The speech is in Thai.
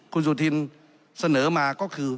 คุณสุธินเสนอมาก็คือ